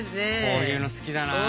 こういうの好きだなあ。